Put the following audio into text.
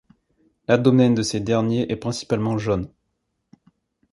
L'abdomen de ces derniers est principalement jaune.